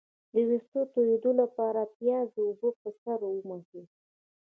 د ویښتو تویدو لپاره د پیاز اوبه په سر ومښئ